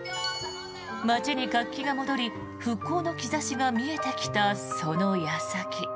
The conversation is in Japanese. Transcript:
町に活気が戻り復興の兆しが見えてきたその矢先。